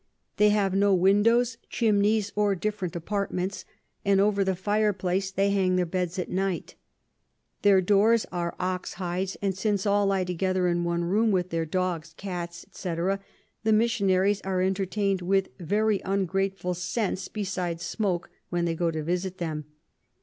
They have no Windows, Chimneys, or different Apartments; and over the Fire place they hang their Beds at night. Their Doors are Ox Hides; and since all lie together in one Room, with their Dogs, Cats, &c. the Missionaries are entertain'd with very ungrateful Scents, besides Smoke, when they go to visit them.